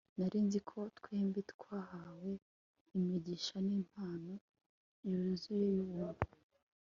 Nari nzi ko twembi twahawe imigisha nimpano yuzuye yubuntu